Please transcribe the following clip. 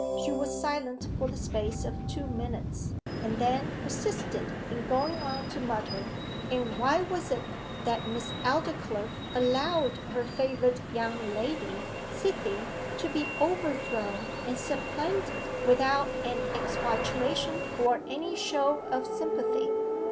She was silent for the space of two minutes, and then persisted in going on to mutter, 'And why was it that Miss Aldclyffe allowed her favourite young lady, Cythie, to be overthrown and supplanted without an expostulation or any show of sympathy?